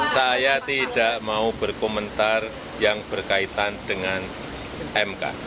saya tidak mau berkomentar yang berkaitan dengan mk